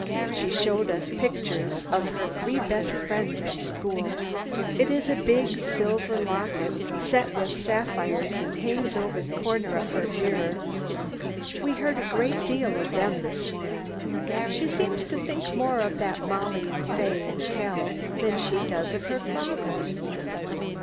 She showed us the picture of her three best friends at school. It is in a big silver locket set with sapphires, and hangs over a corner of her mirror. We heard a great deal of them this morning. She seems to think more of that Mollie and Fay and Kell than she does of her father.